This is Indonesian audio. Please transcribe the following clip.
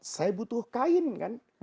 saya butuh kain kan